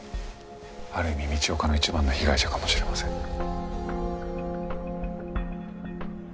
ある意味道岡の一番の被害者かもしれません。